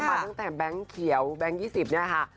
มาตั้งแต่แบงค์เขียวแบงค์๒๐เนี่ยค่ะ